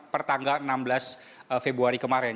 pertanggal enam belas februari kemarin